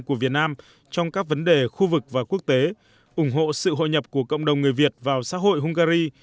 của việt nam trong các vấn đề khu vực và quốc tế ủng hộ sự hội nhập của cộng đồng người việt vào xã hội hungary